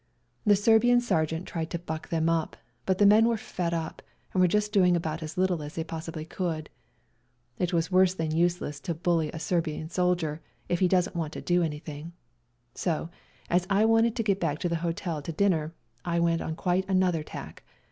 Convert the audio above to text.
The Serbian ser geant tried to buck them up, but the men were fed up and were just doing about as little as they possibly could. It is worse than useless to bully a Serbian soldier if he doesn't want to do anything ; so, as I wanted to get back to the hotel to dinner, I went on quite another tack.